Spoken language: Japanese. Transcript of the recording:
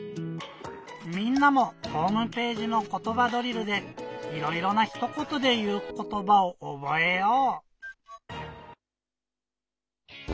みんなもホームページの「ことばドリル」でいろいろなひとことでいうことばをおぼえよう！